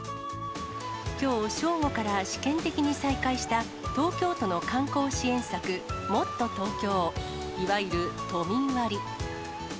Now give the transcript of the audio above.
きょう正午から試験的に再開した、東京都の観光支援策、もっとＴｏｋｙｏ、いわゆる都民割。